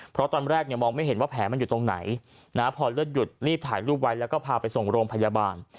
เพราะตอนแรกเนี่ยมองไม่เห็นว่าแผลมันอยู่ตรงไหนพอเลือดหยุดรีบถ่ายรูปไว้แล้วก็พาไปส่งโรงพยาบาล